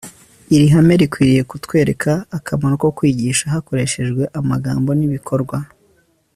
iri hame rikwiriye kutwereka akamaro ko kwigisha hakoreshejwe amagambo n'ibikorwa